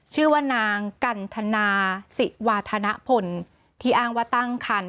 ชื่อว่านางกันธนาศิวาธนพลที่อ้างว่าตั้งคัน